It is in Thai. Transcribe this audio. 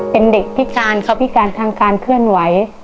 เป็นเด็กภิการทางการเคลื่อนไหว